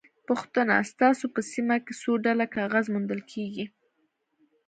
پوښتنه: ستاسو په سیمه کې څو ډوله کاغذ موندل کېږي؟